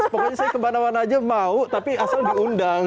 pokoknya saya kemana mana aja mau tapi asal diundang